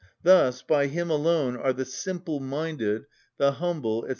Thus by him alone are the simple‐minded, the humble, &c.